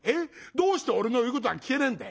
どうして俺の言うことが聞けねえんだい。